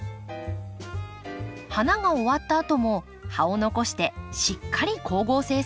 花が終わったあとも葉を残してしっかり光合成させましょう。